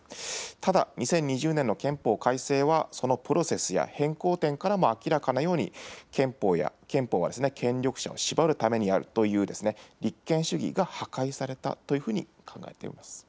ただ、２０２０年の憲法改正は、そのプロセスや変更点からも明らかなように、憲法は権力者を縛るためにあるという、立憲主義が破壊されたというふうに考えています。